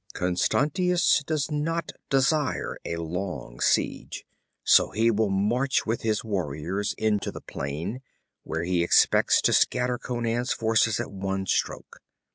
'Constantius does not desire a long siege; so he will march with his warriors into the plain, where he expects to scatter Conan's forces at one stroke.